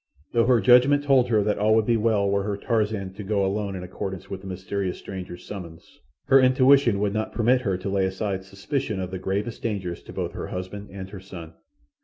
Though her judgment told her that all would be well were her Tarzan to go alone in accordance with the mysterious stranger's summons, her intuition would not permit her to lay aside suspicion of the gravest dangers to both her husband and her son.